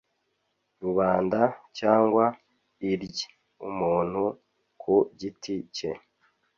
rubanda cyangwa iry umuntu ku giti cye